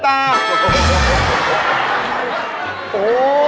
โอ้โห